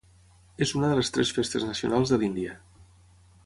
És una de les tres festes nacionals de l'Índia.